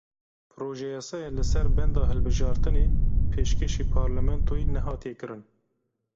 Projeyasaya li ser benda hilbijartinê pêşkêşî parlamentoyê nehatiye kirin.